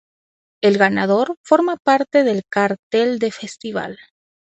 El ganador forma parte del cartel del festival.